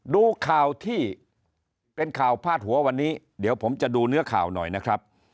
ดูข่าวที่เป็นข่าวพาดหัววันนี้เดี๋ยวผมจะดูเนื้อข่าวหน่อยนะครับ